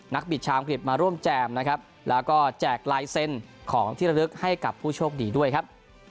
บิดชาวอังกฤษมาร่วมแจมนะครับแล้วก็แจกลายเซ็นต์ของที่ระลึกให้กับผู้โชคดีด้วยครับ